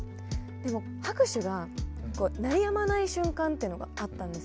でも拍手が鳴りやまない瞬間っていうのがあったんですよ。